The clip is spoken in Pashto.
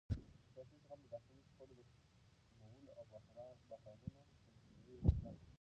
سیاسي زغم د داخلي شخړو د کمولو او بحرانونو د مخنیوي وسیله ده